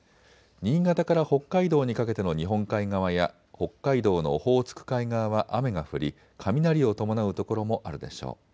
新潟から北海道にかけての日本海側や北海道のオホーツク海側は雨が降り雷を伴う所もあるでしょう。